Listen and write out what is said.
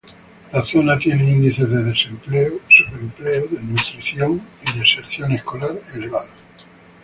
La zona tiene índices de desempleo, subempleo, desnutrición y deserción escolar elevados.